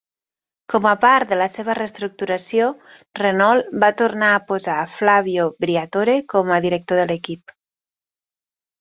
Com a part de la seva reestructuració, Renault va tornar a posar a Flavio Briatore com a director de l'equip.